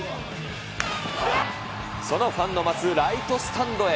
そのファンの待つライトスタンドへ。